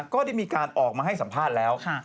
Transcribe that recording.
ก็ได้มีการออกมาให้สัมภาษณ์แล้ว